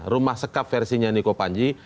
rumah sekap versinya niko panji